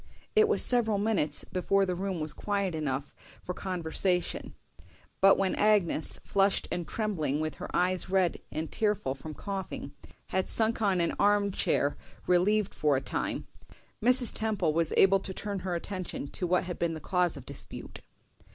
It was several minutes before the room was quiet enough for conversation; but when Agnes, flushed and trembling, with her eyes red and tearful from coughing, had sunk on an arm chair relieved for a time, Mrs. Temple was able to turn her attention to what had been the cause of dispute.